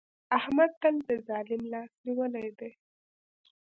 احمد تل د ظالم لاس نيولی دی.